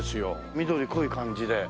緑濃い感じで。